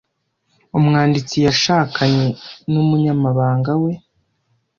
Umwanditsi yashakanye n'umunyamabanga we